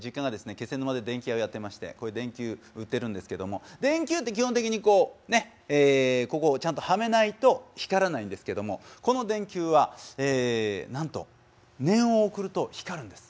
気仙沼で電気屋をやってましてこれ電球売ってるんですけども電球って基本的にこうねっここをちゃんとはめないと光らないんですけどもこの電球はなんと念を送ると光るんです。